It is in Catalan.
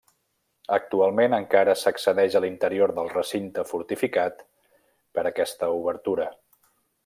Actualment encara s'accedeix a l'interior del recinte fortificat per aquesta obertura.